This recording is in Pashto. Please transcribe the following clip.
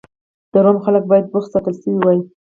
د روم خلک باید بوخت ساتل شوي وای.